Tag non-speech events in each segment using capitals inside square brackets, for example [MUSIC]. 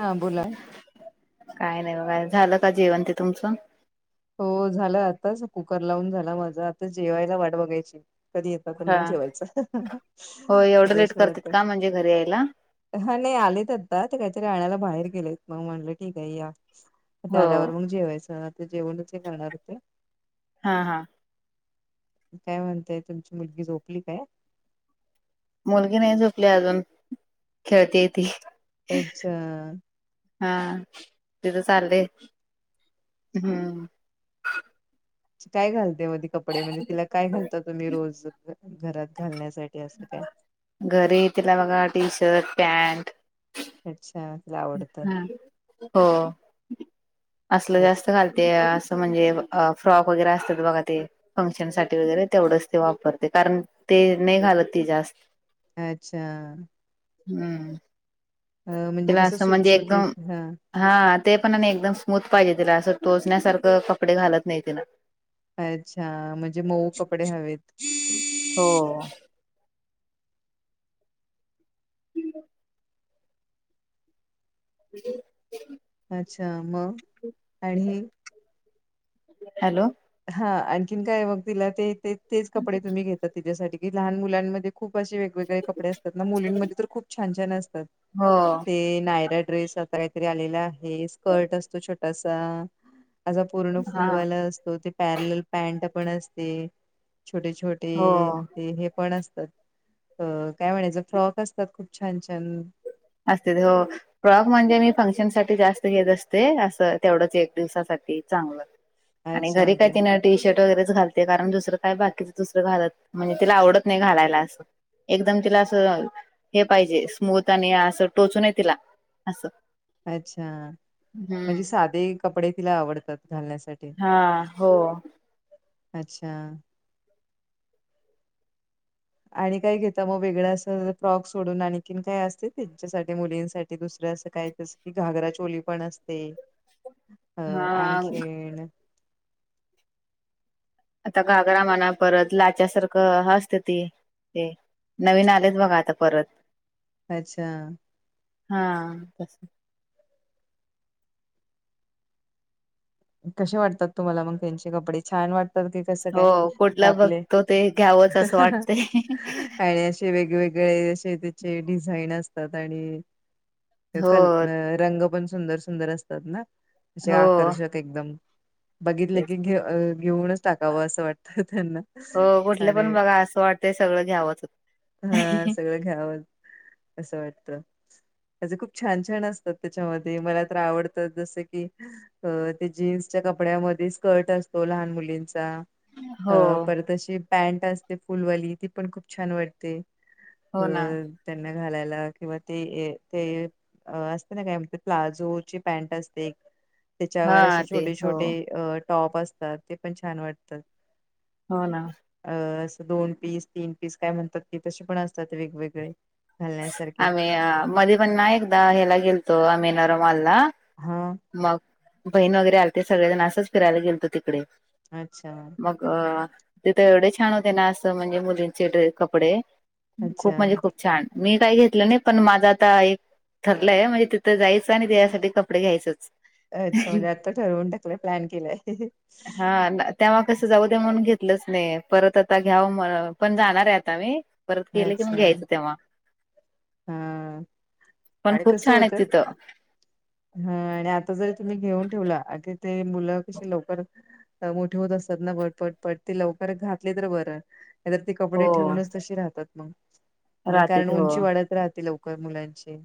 हा बोला. काय नाही बघा झालं का जेवण ते तुमचं? हो झालं आताच कुकर लावून झाला माझ आता जेवायला वाट बघायची. कधी येतात पण हा. मग जेवायचं, हो एवढं लेट करतात का म्हणजे घरी यायला? [UNINTELLIGIBLE] हा नाही आलेत आता काहीतरी आणायला बाहेर गेलेत मग म्हणलं ठीक आहे या. त्या हो आल्यावर मग जेवायचं ते जेवणच हे करणार हो ते. हा हा. काय म्हणताय तुमची मुलगी झोपली काय? मुलगी नाही झोपली अजून खेळतीय ती. अच्छा! हा तीच चाल्लय हम्म. काय घालते म ती कपडे म्हणजे तिला काय घालता तुम्ही रोज घरात घालण्यासाठी. ठी असं काय? [INAUDIBLE] घरी तिला बघा टी शर्ट, पॅन्ट अच्छा. तिला आवडतं नाही हो, असलं जास्त अच्छा घालते त्यास. म्हणजे अ फ्रॉक वगैरे असतात बघा ते. फंक्शन साठी वगैरे तेवढंच ते वापरते कारण ते नाही घालत ती जास्त. अच्छा. हम्म, अ म्हणजे तिला कसं असं म्हणजे सुटसुुटीत एकदम ह. हा, ते पण आणि एकदम स्मूथ पाहिजे तिला असं टोचण्यासारखं कपडे घालत नाही तिन. अच्छा म्हणजे मऊ कपडे हवेत. हो, दीदे. अच्छा मग आणि. हॅलो, हा, आणखीन काय बघ तिला ते ते तेच कपडे तुम्ही घेता तिच्यासाठी की लहान मुलांमध्ये. खूप असे वेगवेगळे कपडे असतात ना मुलींमध्ये तर खूप छान छान असतात. हो ते नायरा ड्रेस आता. आता कायतरी आलेला आहे स्कर्ट असतो छोटासा असा पूर्ण हा फुलवाला अस. तो ते पॅरलल पॅन्ट पण असते छोटे छोटे हो ते हे. पण असतात अ काय म्हणायचं फ्रॉक असतात खूप छान छान. असतात हो. फ्रॉक म्हणजे मी फंक्शन साठी जास्त घेत असते असं तेवढंच एक दिवसासाठी चांगलं. आणि अच्छा घरी काय म्हणजे तिनं. टी शर्ट वगैरेच घालते कारण दुसरं काय बाकीच दुसरं घालत म्हणजे तिला आवडत नाही घालायला असं. एकदम तिला असं हे पाहिजे स्मूथ. त आणि असं टोचू नये तिला असं. अच्छा हम्म म्हणजे साधे कपडे तिला आवडतात घालण्यासाठी. हा हो, अच्छा. आणि काय घेता मग वेगळं असं फ्रॉक सोडून आणखीन काय असते त्यांच्यासाठी मुलींसाठी दुसरं असं काय? जसं की, घागरा चोली पण असते अ हा आणखीन. आता घागरा म्हणा परत लाच्यासारखं ह असत ते हे. नवीन आलेत बघा आता परत. अच्छा. हा, तसं. कशे वाटतात तुम्हाला मग त्यांचे कपडे छान वाटत. तर ती कस हो काय की, कुठला आपले. बघतो ते घ्यावंच असं वाटतंय काही अशे वेगवेगळे असे त्याचे डिझाईन असतात आणि. हो कल अ रंग पण सुंदर सुंदर असतात ना असे हो आकर्षक एकदम. बघितलं तेच की, घे घेवुनच टाकावं असं वाटतं त्यांना. हो, कुठलं आणि पण बघा असं वाटतंय सगळं घ्यावचं. घ्यावच असं वाटतं. त्याचे खूप छान छान असतात त्याच्यामध्ये मला तर आवडतं जस की अ, ते जीन्सच्या कपड्यामध्ये स्कर्ट असतो लहान मुलींचा हो अ परत अशी. पॅन्ट असते फुलवाली ती पण छान वाटते अ, हो ना त्यांना घालायला किंवा ते ए हे, अ, असते ना काय म्हणतात प्लाजोची पॅन्ट असते हा त्याच्यावर अशी. ते हो अ टॉप असतात. ते पण छान वाटत. हो ना. अं. असं दोन पीस, तीन पीस काय म्हणतात की तसे पण असतात वेगवेगळे. घालण्यासारखे आम्ही आ मधे पण ना एकदा ह्याला गेल- -तो आम्ही नरमालला हा मग- बहीण वगैरे आलते. सगळेजण असच फिरायला गेलतो तिकडे. अच्छा. मग तिथं एवढे छान होते ना? असं म्हणजे मुलींचे कपडे- खूप अच्छा म्हणजे खूप छान. मी काही घेतलं नाही पण माझ आता एक- ठरलंय. म्हणजे तिथं जायचं आणि तिच्यासाठी कपडे घ्यायचंच. अच्छा. म्हणजे आत्ता ठरवून टाकलंय. प्लॅन केलाय. हा तेव्हा कसं जाऊ दे म्हणून घेतलंच नाही. परत आता घ्याव म्हण -पण जाणार ए आता मी. परत गेले कि मग घ्यायचं तेव्हा. हं. पण खूप छान आहेत तिथं. हं. आणि आत्ता जरी तुम्ही घेऊन ठेवला की ते मुलं कशी लवकर- मोठे होत असतात ना? पटपटपट ते घातले तर बरं. [UNINTELLIGIBLE] ते कपडे हो ठेवूनच तसे राहतात मग. कारण राहतेत हो उंची वाढत राहते लव- -कर मुलांची.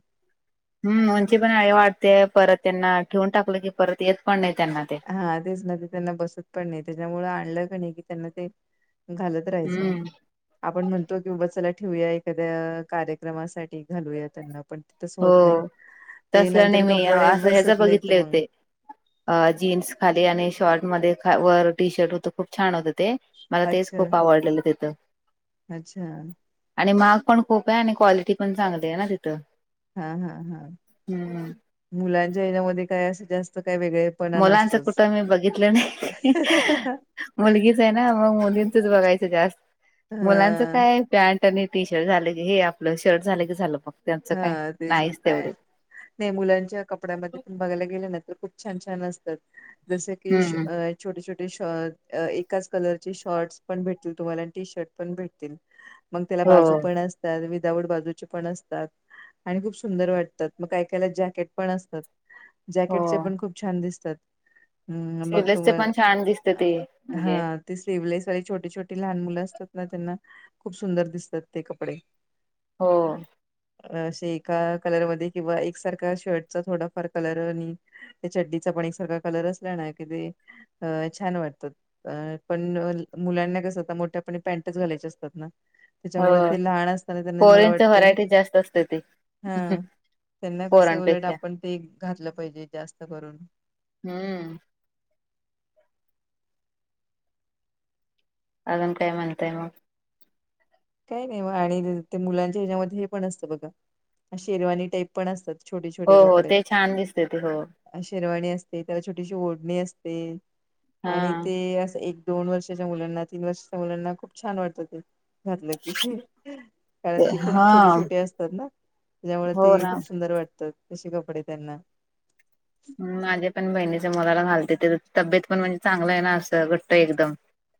हम. उंची पण आहे वाढते. परत त्यांना ठेवून टाकलं की परत येत पण नाही त्यांना ते. हा. तेच ना. ते त्यांना बसत पण नाही. त्याच्यामुळे आणलं क नाही की त्यांना ते घालत- राहायच. हम्म आपण म्हणतो की ब चला ठेवूया. एखाद्या कार्यक्रमासाठी घालूया त्यांना. पण ते तसं हो होत नाही. ते तसलं नाही नंतर मी कपडे असं ह्याच बसत नाही एक तर बघितले मंग. होते अ जीन्स खाली आणि शॉर्ट मध्ये वर टी शर्ट होतं. खूप छान होतं ते. मला तेच अच्छा खूप आवडलेलं तिथं. अच्छा आणि महाग खूप आहे. आणि क्वालिटी पण चांगली आहे ना तिथं? हां. हां. हां. हम्म. मुलांच्या ह्याच्यामधे काय अस जास्त काय वेगळ? मुलांचं कुठं मी बघितलं नाही. मुलगीच आहे ना? मग मुलींचच बघायचं जास्त. मुलांच- हा काय पॅन्ट आणि टी शर्ट झाले की, हे आपलं शर्ट झालं की झालं. मग त्यांचं काय हा तेच की नाहीच तेवढे. पॅन्ट नाही मुलांच्या कपड्यामध्ये पण बघायला गेले ना तर खूपच छान छान असतात. जसं की हम्म अ- छोटे छोटे शर्ट, एकाच कलर चे शर्टस पण भेटतील तुम्हाला. आणि टी शर्ट पण भेटतील. मग त्याला हो बाजू पण असतात. विदाउट बाजूचे पण असतात. आणि खूप सुंदर वाटतात. म काही काहिला जॅकेट पण असतात. हो जॅकेटचे पण खूप छान दिसतात. हम्म. स्लीवलेसचे पण छान दिसते ते [UNINTELLIGIBLE] म्हणजे हां. ते स्लीवलेस [UNINTELLIGIBLE] छोटी छोटी लहान मुलं असतात ना? त्यांना खूप सुंदर दिसतात ते कपडे. हो. अ असे एका कलरमध्ये किंवा एकसारख्या शर्टचा थोडाफार कलर आणि - त्या चड्डीचा पण एकसारखा कलर असला ना की ते अं छान वाटतात. अं पण मुलांना कसं आता मोठ्यापणी पॅन्टच घालायच्या असतात ना? त्याच्यामुळे हो ते लहान असताना त्यांनी मला पोरींच वाटतं- व्हरायटी जास्त असतयं ते. हा त्यांना कसं, उलट पोरांपेक्षा आपण ते घातलं पाहिजे जास्त करून. हूं. आजून काय म्हणताय म? काही नाही वाहाणी देतात. ते मुलांच्या ह्याच्यामध्ये हे पण असतं बघा शेरवानी टाईप. पण असतात छोटे छोटे. हो हो कपडे. ते छान दिसते ते हो. शेरवाणी असते त्याला छोटीशी ओढणी असते हा आणि ते असं एक दोन वर्षाच्या मुलांना, तीन वर्षाच्या मुलांना खूप छान वाटतं ते घातलं की. कारण ते ती खूप हा छोटी छोटी असतात ना, त्याच्यामुळे हो ती ना खूप सुंदर वाटतात. तशे कपडे त्यांना माझ्या पण बहिणीच्या मुलाला घालतात. त्याची तब्येत पण म्हणजे चांगलं आहे ना, असं घट्ट एकदम.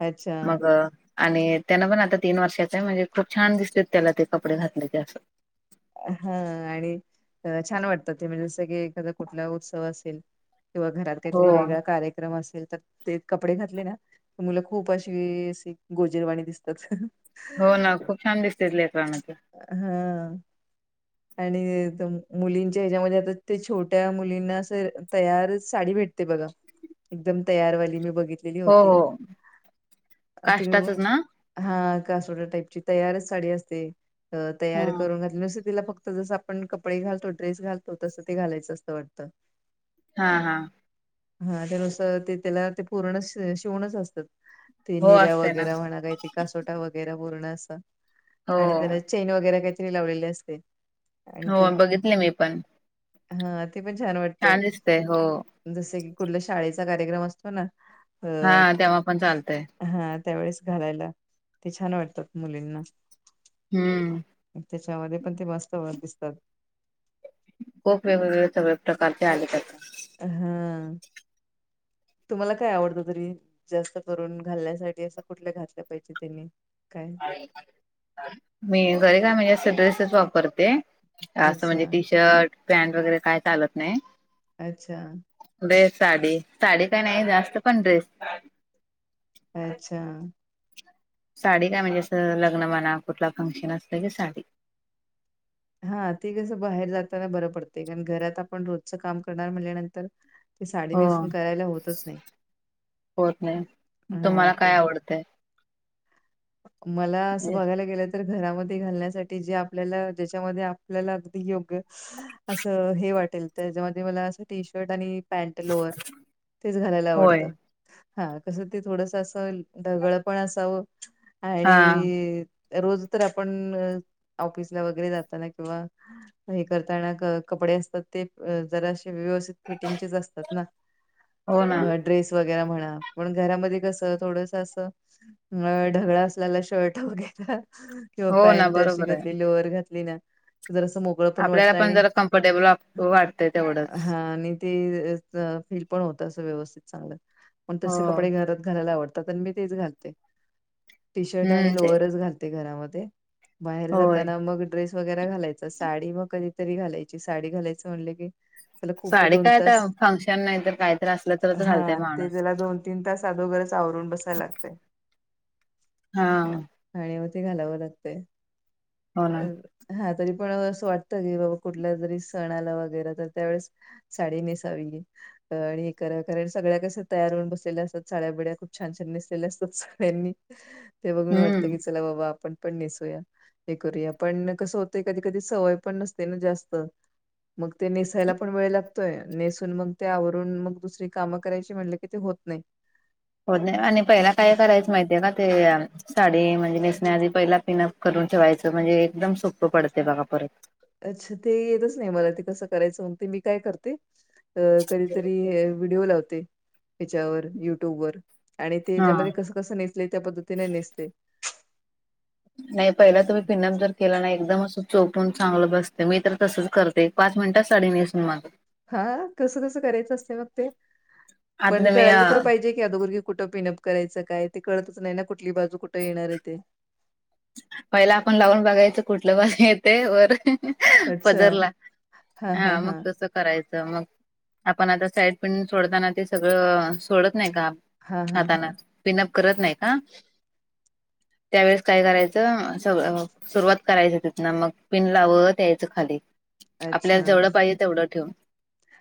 अच्छा मग आणि तेनं पण आता तीन वर्षांचा आहे. म्हणजे खूप छान दिसत्यात ते त्याला, ते कपडे घातलं की असं. हा आणि छान वाटतं. ते म्हणजे सगळे एखादा कुठला उत्सव असेल. किंवा घरात हो काहीतरी वेगळा कार्यक्रम असेल तर. ते कपडे घातले ना, तर मुलं खूप अशी अशी गोजरवाणी दिसतात. हो ना. खूप छान दिसत्यात लेकरांना ते. हं. आणि तन मुलींच्या ह्याच्यामध्ये आता ते छोट्या मुलींना असं तयारच साडी भेट ते बघा, एकदम तयारवाली मी बघित हो हो. अ, तुम्ही काष्टाचच बघ- ना? हा कासोटा टाईपची तयारच साडी असते. अ तयार करून घातली नसते, तिला फक्त. तर जसं आपण कपडे घालतो, ड्रेस घालतो तसं ते घालायचं असतं वाटतं. हा हा. हा त्या नुसार ते त्याला, ते पूर्ण शि शिवणच असतात. ते हो निर्या असते ना वगैरे म्हणा, काय ते कासोटा वगैरे पूर्ण असतात हो आणि त्याला चैन वगैरे काहीतरी लावलेली असते. आणि ते हो बघितली मी पण. हा. ते पण छान वाट छान दिसतंय हो. जसं की, कुठल्या शाळेचा कार्यक्रम असतो ना? अ हां. तेव्हा पण चालतंय. हा त्यावेेळेस घालायला, ते छान वाटतात मुलींना. हम्म. त्याच्यामध्ये पण ते वास्तवात दिसतात. खूप वेगवेगळे सगळ्या प्रकारचे आले त्यात. हां. तुम्हांला काय आवडतं तरी? जास्त करून घालण्यासाठी असं कुठल्या घास कापायचेत त्यांनी? काय? मी घरी काय म्हणजे अस ड्रेसेच वापरते. आसं अच्छा म्हणजे टी शर्ट, पॅन्ट वगैरे काय चालत नाही. अच्छा. कुदेय साडी? साडी तर नाही जास्त पण ड्रेस. अच्छा. साडी काय म्हणजे असं लग्न म्हणा कुठला फंक्शन असलं की साडी हां ते कसं बाहेर जाताना बरं पडतंय कारण घरात आपण रोजचं काम करणार म्हणल्यानंतर ते साडी हो नेसून करायला होतच नाही होत नाही तुम्हाला काय हां. आवडतंय मला असं बघायला गेलं तर घरामध्ये घालण्यासाठी जे आपल्याला ज्याच्यामध्ये आपल्याला अगदी योग्य असं हे वाटेल त्याच्यामध्ये मला अस टी शर्ट आणि पॅन्ट लोअर तेच घालायला होय आवडतं. हा कसं ते थोडसं अस ढगळ पण असावं हा आणि रोज तर आपण ऑफिसला वगैरे जाताना किंवा हे करताना कपडे असतात ते जरासे व्यवस्थित फिटिंगचेच असतात ना! हो ना पण ड्रेस वैगेरे म्हणा पण घरामध्ये कसं थोडसं असं ढगळ असलेला शर्ट घातला किंवा हो ना पॅन्ट अशी बरोबर घातली आहे लोअर घातली ना जरासं मोक ळ पण आपल्याला वाटत आणि जरा कम्फर्टेबल वाटतंय तेवढंच हां आणि ते फील पण होत अस व्यवस्थित चांगलं पण हो तसे कपडे घरात आत घालायला आवड तात आणि मी तेच घालते. टी शर्ट हम्म आणि ते लोअरच घालते घरामध्ये बाहेर होय जाताना मग ड्रेस वैगेरा घालायच साडी मग कधीतरी घालायची साडी घालायचं म्हणलं की त्याला खूप साडी दोन काय आता तास, फंक्शन नाही तर काहीत असलं तरच घालतय हां ते माणूस त्याला दोन तीन तास अदोगरच आवरून बसायला लागतंय. हां. आणि मग ते घालावं लागतंय. हो ना हां तरी पण असं वाटतं की बाबा कुठला जरी सण आला वगैरे तर त्यावेेळेस साडी नेसावी. आणि हे कार कारण सगळ्या कस तयार होऊन बसलेल्या असतात साड्याबिड्या खूप छान छान नेसलेल्या असतात सगळ्यांनी. ते बघून वाटतं हम्म की चला बाबा आपण पण नेसूया हे करूया पण कसं होतंय कधी कधी सवय पण नसते ना जास्त मग ते नेसायला पण वेळ लागतोय नेसून मग ते आवरून मग दुसरी कामं करायची म्हणलं की ते होत नाही. [INAUDIBLE] होत नाही, आणि पहिला काय करायचं माहितीये का ते साडी म्हणजे नेसण्याआधी पहिला पिनअप करून ठेवायचं म्हणजे एकदम सोपं पडते बघा परत. अच्छा ते येतच नाही ते मला कसं करायचं म्हणते, मी काय करते अ कधीतरी व्हिडिओ लावते हेच्यावर युट्यूबवर आणि ते हा याच्यामध्ये कसं कसं नेसले त्या पद्धतीने नेसते. नाही पहिला तुम्ही पिनअप जर केला ना, एकदम असं चोपून चांगलं बसते मी तर तसच करते. पाच मिनिटात साडी नेसून माग हां! कसं कसं करायचं असतंय मग ते? आता पण तुम्ही अ कळायला तर पाहिजे. की अदोगर की कुठं पिनअप करायचं काय ते कळतच नाही ना कुठली बाजू कुठं येणार आहे ते. पहिला आपण लावून बघायचं कुठलं बाजू येतंय वर अच्छा पदरला हा हा हां मग हा तस करायचं मग आपण आता साईड पिन सोडताना ते सगळं सोडत नाही का हा हा हातान हा पिनअप करत नाही का त्यावेेळेस काय कराय च सगळ सुरुवात करायचं तिथन मग पिन लावत यायचं खाली. अच्छा! आपल्याला जेवढं पाहिजे तेवढं ठेवून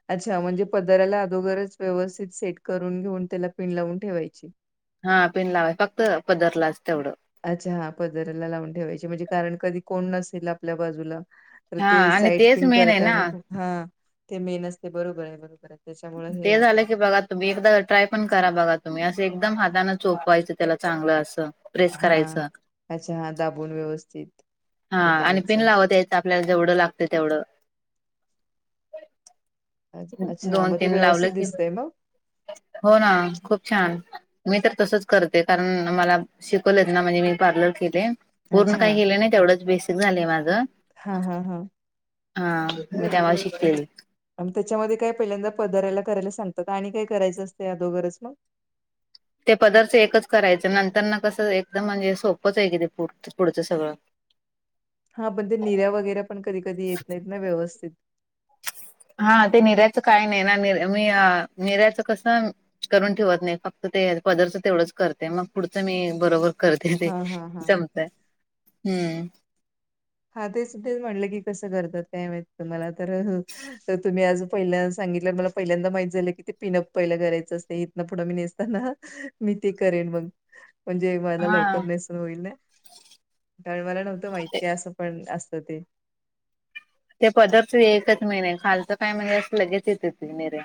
अच्छा! म्हणजे पदराला अदोगरच व्यवस्थित सेट करून घेऊन त्याला पिन लावून ठेवायची. हां पिन लावायचं फक्त पधरलाच तेवढं. अच्छा हा पदराला लावून ठेवायची. म्हणजे कारण कधी कोण नसेल आपल्या बाजूला. तर हा ते आणि साईट तेच पिन मेन आहे करता येन ना खूप, हा ते मेन असते. बरोबर आहे बरोबर आहे. त्याच्यामुळे हे ते झाल होतय की बघा. तुम्ही एकदा ट्राय पण करा बघा तुम्ही. अस एकदम हाताान चोपवायच त्याला चांगल अस. ह अच्छा, हा दाबून व्यवस्थित. हा हे आणि, पिन करायचं लावत यायच आपल्याला जेवढ लागत तेवढ. अ- अच्छा दोन मग ते पीन व्यवस्थित लावल कि, दिसतय मग हो ना खुप छान. मी तर तसच करते. कारण मला शिकवलेत ना. म्हणजे मी पार्लर केले. पूर्ण अच्छा काही केल नाही. तेवढच बेसिक झालय माझ. हा हा हा हा. हा, मी तेव्हा शिकले. आणि त्याच्यामध्ये काय पहिल्यांदा पदराला करायला सांगतात. आणि काय करायच असत अदोगरच मग. ते पदरच एकच करायच. नंतर न कस एकदम म्हणजे सोपच आहे कि ते पु पुढच सगळ. हा पण ते निर्या वगैरे पण कधी कधी येत नाहीत ना व्यवस्थित. हा ते निर्याच काही नाही ना. नि मी निर्याच कस करून ठेवत नाही. फक्त पदरच तेवढच करते. मग पुढच मी बरोबर करते ते. हा हा हा जमत. हम्म हा तेच तेच म्हटल की कस करतात काय माहित. मला तर तर तुम्ही आज पहिल्यांद सांगितल मला पहिल्यांदा माहित झाल की ते पिन‌अप पहिल करायच असते. इथ ना पुढ मी नेसताना मी ते करेन मग. म्हणजे मला लवकर हा. नेसून होईल ना. कारण मला नव्हत माहित की आस असत ते. ते पदरच एकच मेन आहे. खालच काय म्हणजे अस लगेच येते ते निऱ्या.